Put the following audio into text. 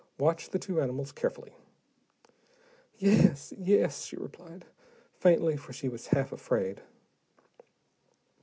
"Watch the two animals carefully." "Yes, yes," she replied, faintly, for she was half afraid.